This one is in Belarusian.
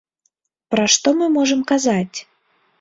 Пра што мы можам казаць?